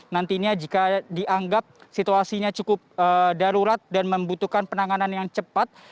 nantinya jika dianggap situasinya cukup darurat dan membutuhkan penanganan yang cepat